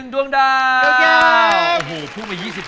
กรุงเทพหมดเลยครับ